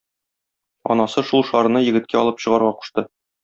Анасы шул шарны егеткә алып чыгарга кушты.